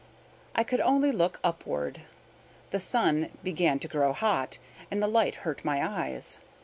I could only look upward. The sun began to grow hot, and the light hurt my eyes.